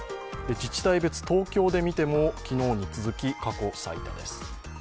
自治体別、東京で見ても昨日に続き過去最多です。